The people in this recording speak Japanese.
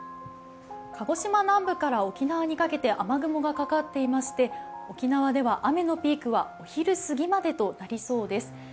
鹿児島南部から沖縄にかけて雨雲がかかっていまして沖縄では雨のピークはお昼すぎまでとなりそうです。